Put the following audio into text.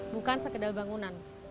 bukan sekedar bangunan